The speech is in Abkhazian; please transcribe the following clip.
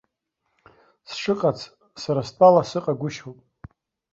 Сшыҟац, сара стәала, сыҟагәышьоуп.